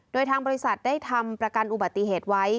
โดยทางบริษัทได้ทำประกันอุบัติเหตุไว้